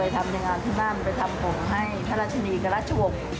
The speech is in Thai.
ทำงานที่บ้านไปทำผมให้พระราชนีกับราชวงศ์